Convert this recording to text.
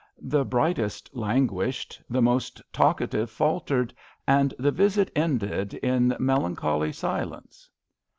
The brightest languished, the most talkative faltered ; and the visit ended in melancholy silence.